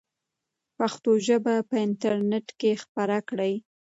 پښتو ژبه په انټرنیټ کې خپره کړئ.